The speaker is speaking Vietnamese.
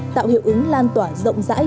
tạo hiệu ứng lan tỏa rộng rãi